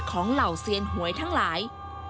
เหล่าเซียนหวยทั้งหลาย